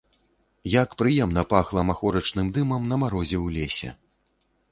Як прыемна пахла махорачным дымам на марозе ў лесе.